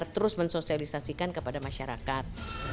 terus mensosialisasikan kepada masyarakat